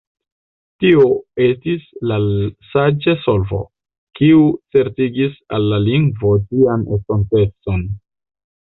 Tio estis la saĝa solvo, kiu certigis al la lingvo ĝian estontecon.